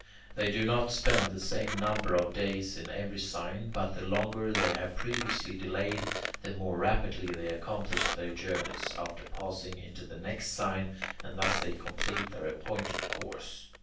They do not spend the same number of days in every sign, but the longer they have previously delayed, the more rapidly they accomplish their journeys after passing into the next sign, and thus they complete their appointed course.